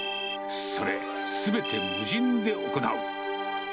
それ、すべて無人で行う。